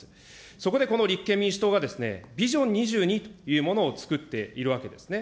そこでこの立憲民主党が、ビジョン２２というものを作っているわけですね。